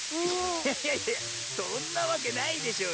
いやいやいやそんなわけないでしょうよ。